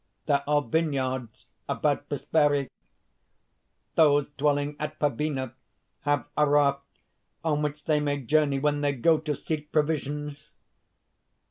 There are vineyards about Prisperi; those dwelling at Pabena have a raft on which they may journey when they go to seek provisions.